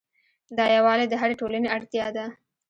دا یووالی د هرې ټولنې اړتیا ده.